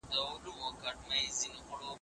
که يو غړی درد کوي.